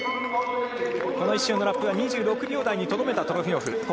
この１周のラップは２６秒台にとどめたトロフィモフ。